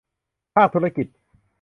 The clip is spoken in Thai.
ภาคธุรกิจ